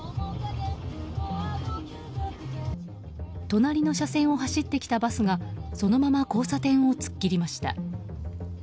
隣の車線を走ってきたバスがそのまま交差点を突っ切りました。